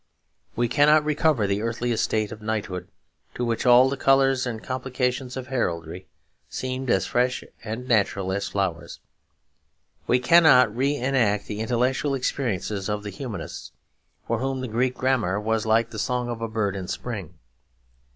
We cannot recover the earthly estate of knighthood, to which all the colours and complications of heraldry seemed as fresh and natural as flowers. We cannot re enact the intellectual experiences of the Humanists, for whom the Greek grammar was like the song of a bird in spring.